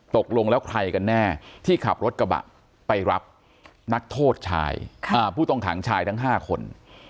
ตกลงแล้วใครกันแน่ที่ขับรถกระบะไปรับนักโทษชายผู้ต้องขังชายทั้ง๕คน